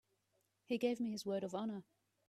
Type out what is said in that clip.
He gave me his word of honor.